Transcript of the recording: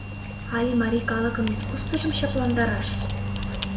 Але марий калыкын искусствыжым чапландараш?